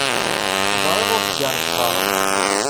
Ẓriɣ ur tgerrzeḍ ara.